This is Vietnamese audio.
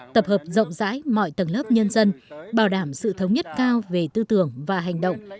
tập hợp rộng rãi mọi tầng lớp nhân dân bảo đảm sự thống nhất cao về tư tưởng và hành động